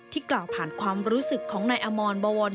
กล่าวผ่านความรู้สึกของนายอมรบวร